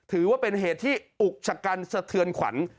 ถือว่าเป็นเหตุที่อุกชะกันสะเทือนขวัญ